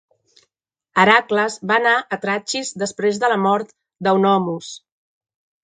Heracles va anar a Trachis després de la mort d"Eunomus.